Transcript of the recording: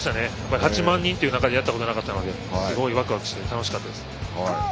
８万人の中でやったことがなかったのですごいワクワクして楽しかったです。